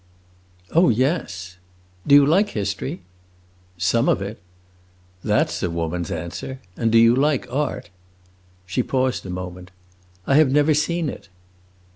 "Oh yes." "Do you like history?" "Some of it." "That 's a woman's answer! And do you like art?" She paused a moment. "I have never seen it!"